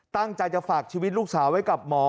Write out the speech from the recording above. ตั้งใจจะฝากชีวิตลูกสาวไว้กับหมอ